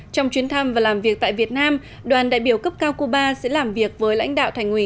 trong chuyến thăm và làm việc tại việt nam đoàn đại biểu cấp cao cuba sẽ làm việc với lãnh đạo thành ủy